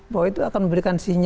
bahwa itu akan memberikan sinyal